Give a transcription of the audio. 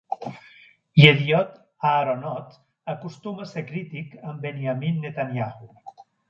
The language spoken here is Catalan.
Yediot Aharonot acostuma a ser crític amb Benjamin Netanyahu.